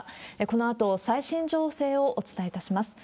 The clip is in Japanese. このあと、最新情勢をお伝えいたします。